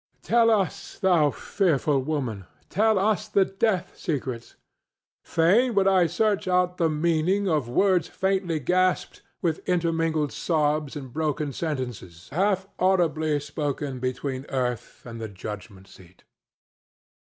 —Tell us, thou fearful woman; tell us the death secrets. Fain would I search out the meaning of words faintly gasped with intermingled sobs and broken sentences half audibly spoken between earth and the judgment seat.